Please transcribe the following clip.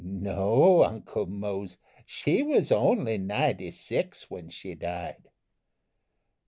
"No, Uncle Mose, she was only ninety six when she died."